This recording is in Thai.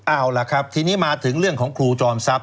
เอาล่ะครับทีนี้มาถึงเรื่องของครูจอมทรัพย